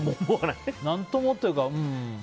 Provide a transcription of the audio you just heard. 何ともというか。